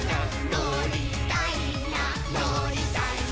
「のりたいなのりたいな」